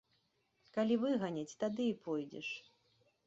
Калі выганяць, тады і пойдзеш.